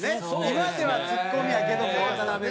今ではツッコミやけども渡辺が。